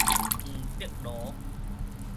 黃伯勞